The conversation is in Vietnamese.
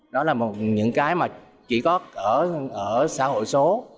đó là một những cái mà chỉ có ở xã hội số